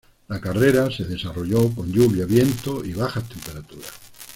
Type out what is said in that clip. La carrera se desarrolló con lluvia, viento y bajas temperaturas.